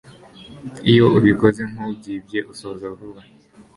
iyo ubikoze nk'ubyibye usoza vuba